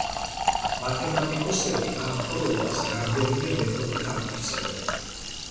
მათემატიკოსები ამ ტოლობას რამდენიმე მეთოდით ამტკიცებენ.